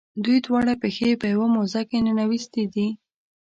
دوی دواړه پښې په یوه موزه کې ننویستي دي.